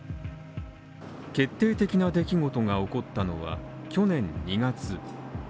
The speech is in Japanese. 決定的な出来事が起こったのは去年２月。